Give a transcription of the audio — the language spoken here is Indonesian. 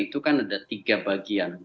itu kan ada tiga bagian